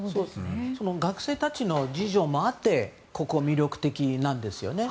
学生たちの事情もあってここは魅力的なんですよ。